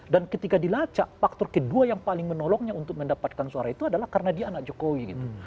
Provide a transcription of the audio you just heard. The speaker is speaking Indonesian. dan ketika dilacak faktor kedua yang paling menolongnya untuk mendapatkan suara itu adalah karena dia anak jokowi gitu